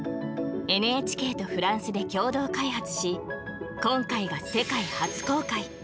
ＮＨＫとフランスで共同開発し今回が世界初公開。